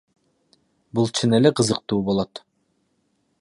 Бул чын эле кызыктуу болот.